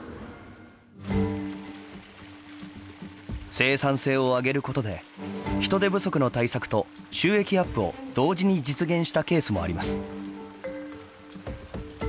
生産性を上げることで人手不足の対策と収益アップを同時に実現したケースもあります。